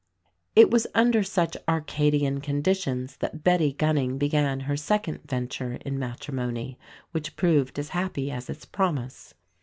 It was under such Arcadian conditions that Betty Gunning began her second venture in matrimony, which proved as happy as its promise.